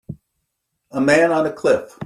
A man on a cliff.